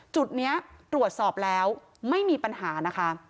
จุดนี้ตรวจสอบแล้วไม่มีปัญหานะคะ